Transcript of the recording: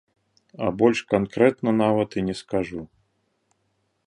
А больш канкрэтна нават і не скажу.